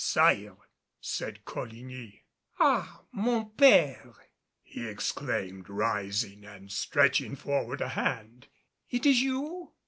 "Sire," said Coligny. "Ah, mon père," he exclaimed, rising and stretching forward a hand. "It is you?